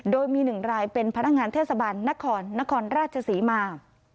โดยมี๑รายเป็นพนักงานเทศบาลนครนครราชศรีมา